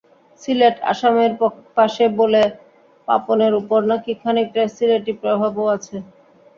সিলেট আসামের পাশে বলে পাপনের ওপর নাকি খানিকটা সিলেটি প্রভাবও আছে।